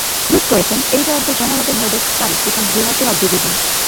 Bruce Greyson, editor of the "Journal of Near-Death Studies", became director of the division.